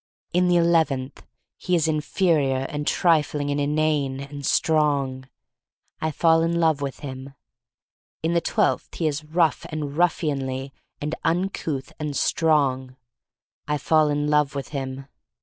In the eleventh he is inferior and trifling and inane — and strong. I fall in love with him. In the twelfth he is rough and ruffianly and uncouth — and strong. I fall in love with him.